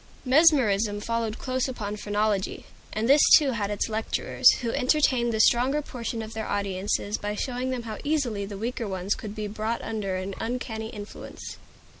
Mesmerism followed close upon phrenology; and this too had its lecturers, who entertained the stronger portion of their audiences by showing them how easily the weaker ones could be brought under an uncanny influence.